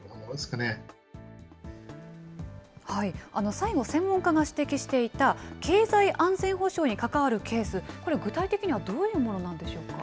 最後、専門家が指摘していた、経済安全保障に関わるケース、これ、具体的にはどういうものなんでしょうか。